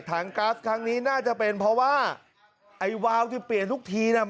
ก๊าซครั้งนี้น่าจะเป็นเพราะว่าไอ้วาวที่เปลี่ยนทุกทีน่ะ